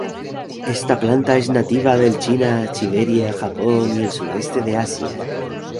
Esta planta es nativa del China, Siberia, Japón y el sudeste de Asia.